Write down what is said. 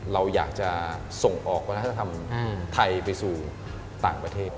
เราอยากจะส่งออกวัฒนธรรมไทยไปสู่ต่างประเทศ